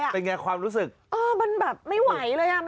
ไปง่ายความรู้สึกอ่ามันแบบไม่ไหวเลยอ่า